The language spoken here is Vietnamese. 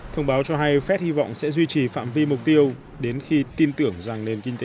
thông báo cho hay fed hy vọng sẽ duy trì phạm vi mục tiêu đến khi tin tưởng rằng nền kinh tế